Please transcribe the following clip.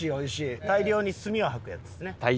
大量にスミを吐くやつですね。